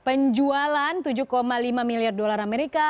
penjualan tujuh lima miliar dolar amerika